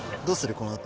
このあと。